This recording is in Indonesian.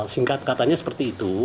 singkat katanya seperti itu